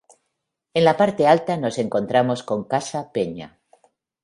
En la parte alta nos encontramos con Casa Peña.